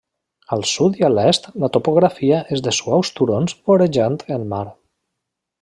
Al sud i a l'est la topografia és de suaus turons vorejant el mar.